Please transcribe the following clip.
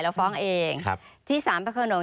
เราฟ้องเองที่สามพระขนม